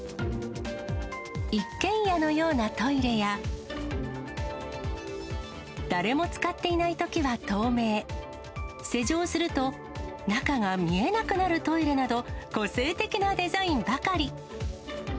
一軒家のようなトイレや、誰も使っていないときは透明、施錠すると中が見えなくなるトイレなど、個性的なデザインばかり。